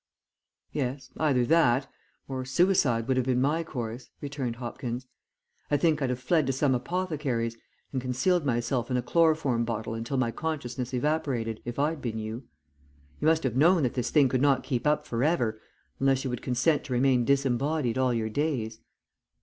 "Yes, either that or suicide would have been my course," returned Hopkins. "I think I'd have fled to some apothecary's and concealed myself in a chloroform bottle until my consciousness evaporated if I'd been you. You must have known that this thing could not keep up for ever, unless you would consent to remain disembodied all your days."